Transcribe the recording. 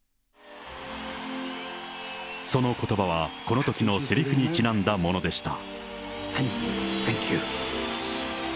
そのことばは、このときのせりふにちなんだものでした。